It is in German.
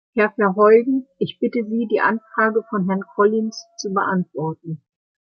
Herr Verheugen, ich bitte Sie, die Anfrage von Herrn Collins zu beantworten.